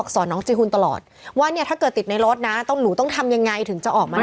สอนน้องจีหุ่นตลอดว่าเนี่ยถ้าเกิดติดในรถนะหนูต้องทำยังไงถึงจะออกมา